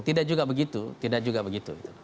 tidak juga begitu tidak juga begitu